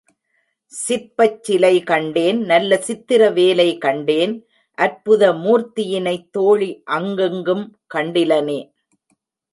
சிற்பச் சிலை கண்டேன் நல்ல சித்திர வேலை கண்டேன் அற்புத மூர்த்தியினைத் தோழி அங்கெங்கும் கண்டிலனே.